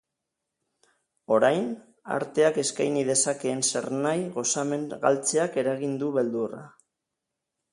Orain, arteak eskaini dezakeen zernahi gozamen galtzeak eragiten du beldurra.